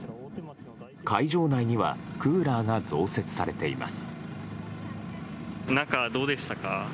会場内にはクーラーが増設されています。